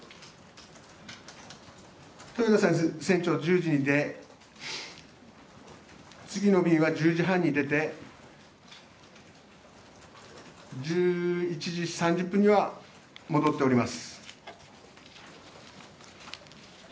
豊田船長は１０時で次の便は１０時半に出て１１時３０分には戻っております。